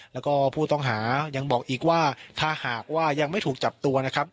แล้วก็ผู้ต้องหายังบอกอีกว่าถ้าหากว่ายังไม่ถูกจับตัวนะครับ